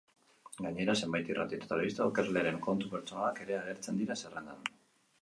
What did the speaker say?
Gainera, zenbait irrati eta telebista aurkezleren kontu pertsonalak ere agertzen dira zerrendan.